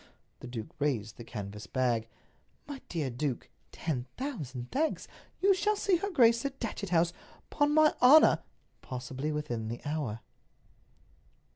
The duke raised the canvas bag. "My dear duke, ten thousand thanks! You shall see her grace at Datchet House, 'pon my honor, probably within the hour."